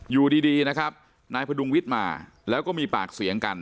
อยู่ดีนะครับนายพดุงวิทย์มาแล้วก็มีปากเสียงกัน